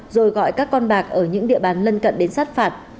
rồi gọi các con bạc ở những địa bàn lân cận đến sát phạt